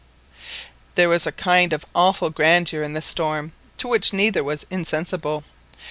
There was a kind of awful grandeur in the storm to which neither was insensible.